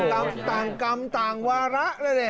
โอ้โหต่างกรรมต่างวาระเลย